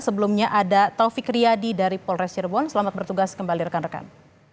sebelumnya ada taufik riyadi dari polres cirebon selamat bertugas kembali rekan rekan